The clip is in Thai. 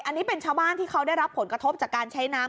อันนี้เป็นชาวบ้านที่เขาได้รับผลกระทบจากการใช้น้ำ